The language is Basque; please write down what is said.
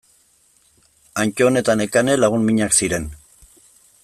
Antton eta Nekane lagun minak ziren.